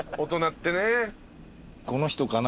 「この人かな？」